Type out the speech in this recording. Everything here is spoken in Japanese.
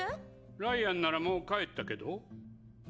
ライアンならもう帰ったけど。